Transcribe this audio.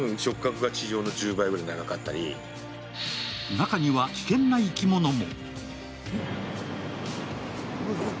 中には危険な生き物も。